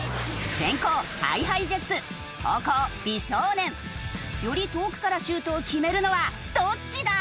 先攻ＨｉＨｉＪｅｔｓ後攻美少年。より遠くからシュートを決めるのはどっちだ？